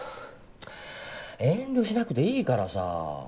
はぁ遠慮しなくていいからさ。